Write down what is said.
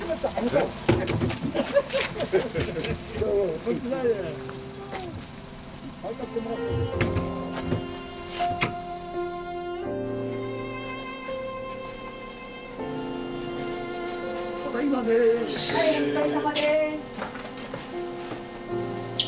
はいお疲れさまです。